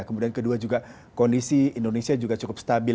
kemudian kedua juga kondisi indonesia juga cukup stabil